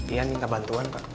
ian minta bantuan pak